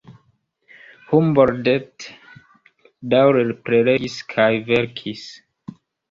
Humboldt daŭre prelegis kaj verkis.